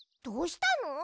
どうしたの？